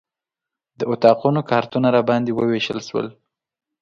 د اتاقونو کارتونه راباندې ووېشل شول.